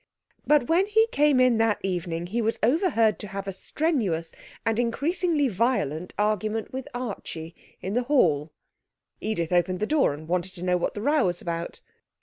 But when he came in that evening he was overheard to have a strenuous and increasingly violent argument with Archie in the hall. Edith opened the door and wanted to know what the row was about.